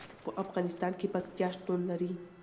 په افغانستان کې پکتیا شتون لري.